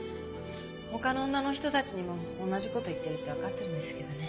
他の女の人たちにも同じこと言ってるってわかってるんですけどね。